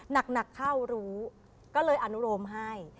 หนักเข้ารู้ก็เลยอนุโรมให้